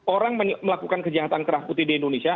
orang melakukan kejahatan kerah putih di indonesia